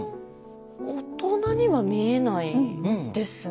大人には見えないですね。